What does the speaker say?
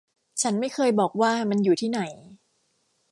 ฉันไม่เคยบอกว่ามันอยู่ที่ไหน